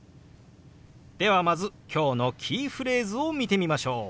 ではまず今日のキーフレーズを見てみましょう。